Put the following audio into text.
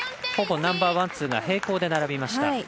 ほぼナンバーワン、ツーが平行で並びました。